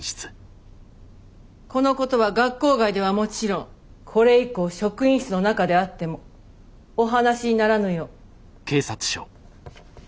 このことは学校外ではもちろんこれ以降職員室の中であってもお話にならぬよう。